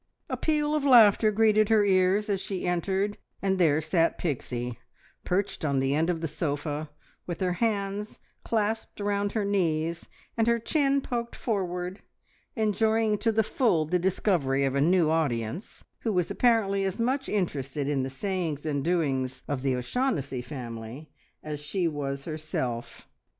A peal of laughter greeted her ears as she entered, and there sat Pixie perched on the end of the sofa, with her hands clasped round her knees, and her chin poked forward, enjoying to the full the discovery of a new audience, who was apparently as much interested in the sayings and doings of the O'Shaughnessy family as she was herself.